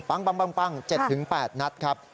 ปั้ง๗๘นัดครับ